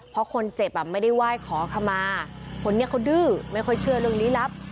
เพราะคนเจ็บอ่ะไม่ได้ไหว้ขอขมาคนนี้เขาดื้อไม่ค่อยเชื่อเรื่องลี้ลับ